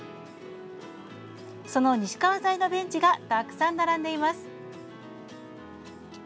その西川材のベンチがたくさん並んでいます。